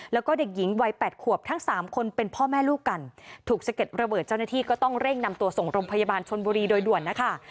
แล้วก็เด็กหญิงวัยแปดขวบทั้งสามคนเป็นพ่อแม่ลูกกันถูกสะเก็ดระเบิดเจ้าหน้าที่ก็ต้องเร่งนำตัวส่งโรงพยาบาลชนบุรีโดยด่วนนะคะ